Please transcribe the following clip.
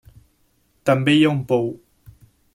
També hi ha un pou.